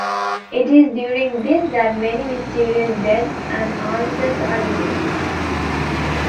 It is during this that many mysterious deaths and answers are revealed.